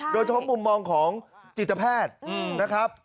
โดยเฉพาะมุมมองของจิตแพทย์นะครับ